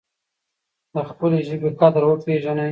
د خپلې ژبې قدر وپیژنئ.